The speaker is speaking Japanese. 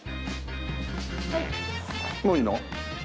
もういいの？